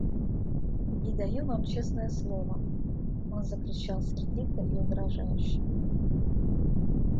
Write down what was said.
И даю вам честное слово, — он закричал сердито и угрожающе.